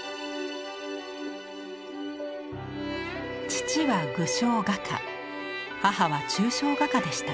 父は具象画家母は抽象画家でした。